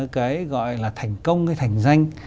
cái gọi là thành công hay thành danh